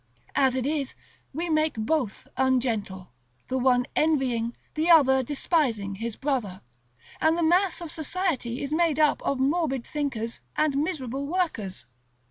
As it is, we make both ungentle, the one envying, the other despising, his brother; and the mass of society is made up of morbid thinkers, and miserable workers.